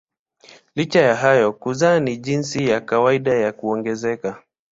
Licha ya hayo kuzaa ni jinsi ya kawaida ya kuongezeka.